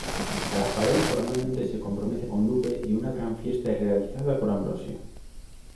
Rafael formalmente se compromete con Lupe y una gran fiesta es realizada por Ambrosio.